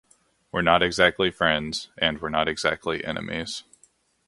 We're not exactly friends, and we're not exactly enemies.